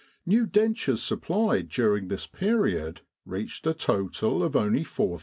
New dentures supplied during this period reached a total of only 4,000.